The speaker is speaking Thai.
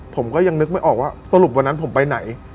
ผมก็ยังนึกไม่ออกว่าสรุปวันนั้นผมไปไหน